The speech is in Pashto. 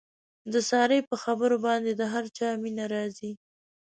د سارې په خبرو باندې د هر چا مینه راځي.